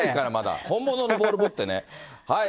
本物のボール持ってね。